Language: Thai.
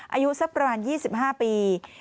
อายุสักประมาณ๒๕ปี